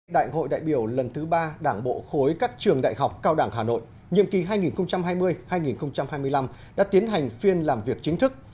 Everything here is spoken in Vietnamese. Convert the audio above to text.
đại hội đại biểu lần thứ ba đảng bộ khối các trường đại học cao đẳng hà nội nhiệm kỳ hai nghìn hai mươi hai nghìn hai mươi năm đã tiến hành phiên làm việc chính thức